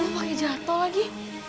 dia pake jatoh lagi